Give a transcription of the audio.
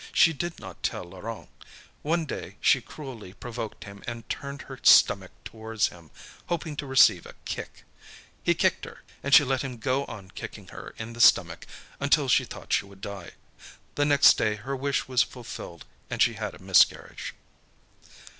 She did not tell Laurent. One day she cruelly provoked him and turned her stomach towards him, hoping to receive a kick. He kicked her and she let him go on kicking her in the stomach until she thought she would die. The next day her wish was fulfilled and she had a miscarriage.